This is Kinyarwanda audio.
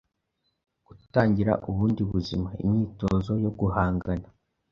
Gutangira ubundi buzima, Imyitozo yo guhangana,